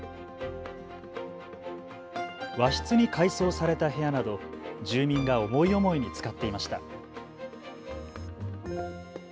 和室に改装された部屋など住民が思い思いに使っていました。